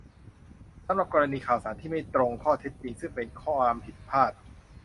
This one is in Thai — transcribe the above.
สำหรับกรณีข่าวสารที่ไม่ตรงข้อเท็จจริง ซึ่งเป็นความผิดพลาด